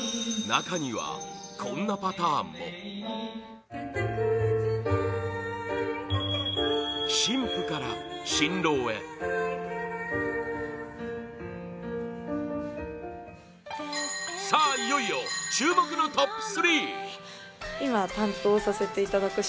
中には、こんなパターンも新婦から新郎へさあ、いよいよ注目のトップ３！